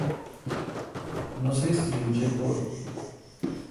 No se distribuye por el Monte Egmont.